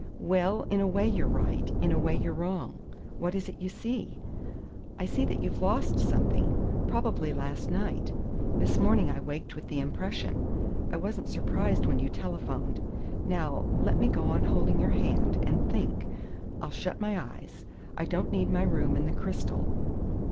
Well, in a way you're right. In a way you're wrong. What is it you see?" "I see that you've lost something probably last night. This morning I waked with the impression. I wasn't surprised when you telephoned. Now, let me go on holding your hand, and think. I'll shut my eyes. I don't need my room and the crystal.